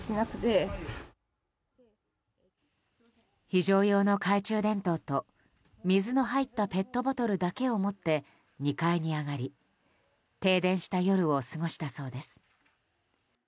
非常用の懐中電灯と水の入ったペットボトルだけを持って２階に上がり停電した夜を過ごしたそうです。